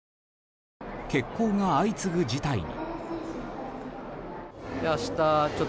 欠航が相次ぐ事態に。